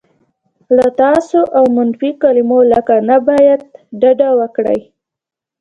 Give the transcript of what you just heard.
له "تاسو" او منفي کلیمو لکه "نه باید" ډډه وکړئ.